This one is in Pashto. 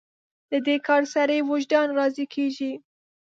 له دې کار سره یې وجدان راضي کېږي.